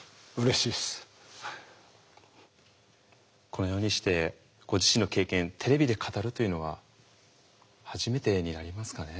このようにしてご自身の経験テレビで語るというのは初めてになりますかね。